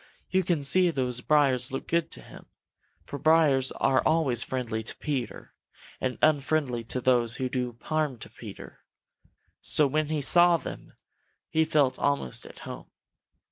You see those briars looked good to him, for briars are always friendly to Peter and unfriendly to those who would do harm to Peter. So when he saw them, he felt almost at home.